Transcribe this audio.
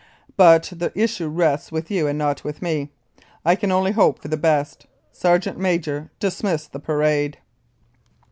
But the issue rests with you and not with me. I can only hope for the best. Sergeant Major, dismiss the parade."